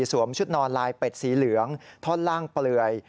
ชุดนอนลายเป็ดสีเหลืองท่อนล่างเปลือย